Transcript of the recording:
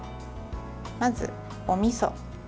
まず、おみそ。